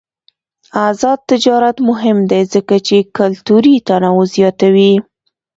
آزاد تجارت مهم دی ځکه چې کلتوري تنوع زیاتوي.